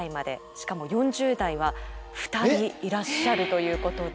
しかも４０代は２人いらっしゃるということで。